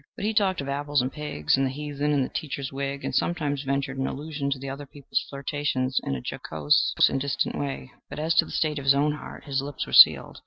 But he talked of apples and pigs and the heathen and the teacher's wig, and sometimes ventured an illusion to other people's flirtations in a jocose and distant way; but as to the state of his own heart, his lips were sealed.